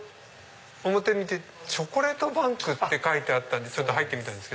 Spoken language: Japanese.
表見てチョコレートバンクって書いてあったんで入ったんです。